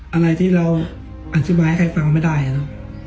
อะไรที่เราอันสิบายให้ใครฟังไม่ได้อะเนอะ